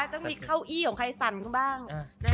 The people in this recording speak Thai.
ต้องมีเก้าอี้ของใครสั่นเขาบ้าง